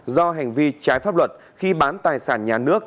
do hành vi trái pháp luật khi bán tài sản nhà nước